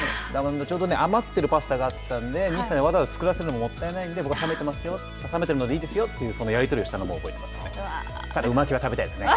ちょうど余ってるパスタがあったんで西さんにわざわざ作らせるのももったいなので、僕が、さめてるのでいいですよというやり取りをしたのも覚えてますね。